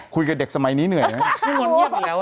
คุยกับเด็กสมัยนี้เหนื่อยไหม